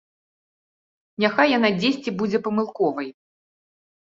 Няхай яна дзесьці будзе памылковай.